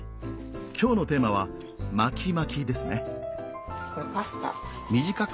今日のテーマは「巻きまき」ですね。